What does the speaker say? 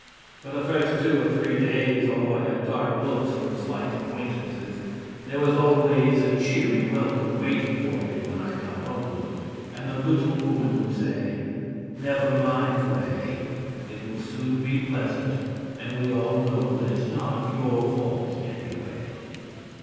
For the first two or three days, although I got dark looks from slight acquaintances, there was always a cheery welcome waiting for me when I got home, and the Little Woman would say, 'Never mind, Ray, it will soon be pleasant, and we all know that it's not your fault, anyway.'